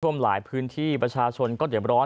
ท่วมหลายพื้นที่ประชาชนก็เดี่ยวร้อน